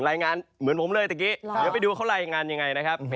เหมือนผมเลยตะกี้เดี๋ยวไปดูว่าเขารายงานยังไงนะครับ